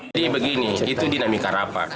jadi begini itu dinamika rapat